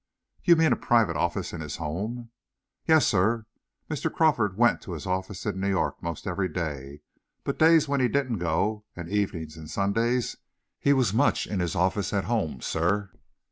"You mean a private office in his home?" "Yes, sir. Mr. Crawford went to his office in New York 'most every day, but days when he didn't go, and evenin's and Sundays, he was much in his office at home, sir."